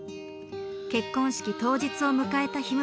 結婚式当日を迎えたひむ